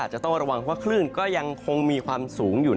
จะต้องระวังเพราะว่าคลื่นก็ยังคงมีความสูงอยู่